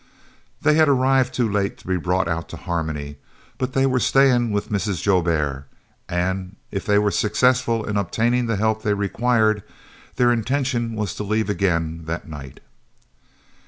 They had arrived too late to be brought out to Harmony, but they were staying with Mrs. Joubert, and, if they were successful in obtaining the help they required, their intention was to leave again that night.